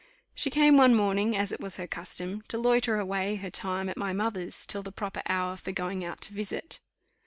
She came one morning, as it was her custom, to loiter away her time at my mother's till the proper hour for going out to visit.